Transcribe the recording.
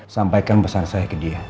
sampaikan pesan saya ke dia